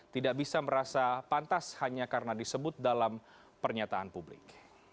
tidak bisa merasa pantas hanya karena disebut dalam pernyataan publik